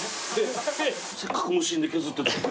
せっかく無心で削ってたのに。